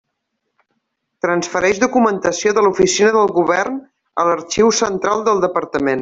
Transfereix documentació de l'Oficina del Govern a l'Arxiu Central del Departament.